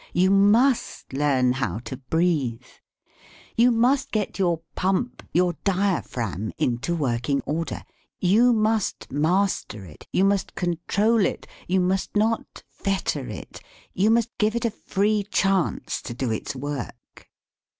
you must learn how to breathe ; you must get your pump, your diaphragm, into working order, you must master it, you must control it, you must not fetter it, you must give it a free chance to do its work.